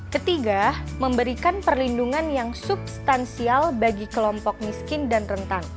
ketiga memberikan perlindungan yang substansial bagi kelompok miskin dan rentan